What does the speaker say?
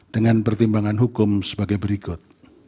dengan pertimbangan hukum sebagai berikut